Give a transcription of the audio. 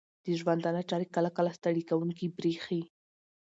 د ژوندانه چارې کله کله ستړې کوونکې بریښې